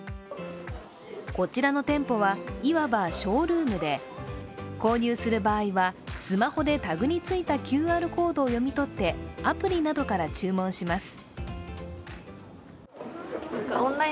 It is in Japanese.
こちらの店舗はいわばショールームで購入する場合はスマホでタグについたＱＲコードを読み取って、アプリなどから注文します。